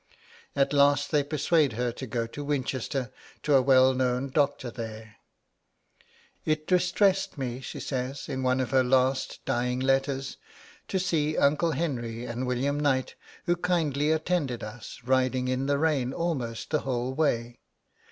At last they persuade her to go to Winchester, to a well known doctor there. 'It distressed me,' she says, in one of her last, dying letters, 'to see Uncle Henry and William Knight, who kindly attended us, riding in the rain almost the whole way.